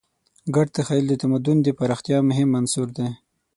ګډ تخیل د تمدن د پراختیا مهم عنصر دی.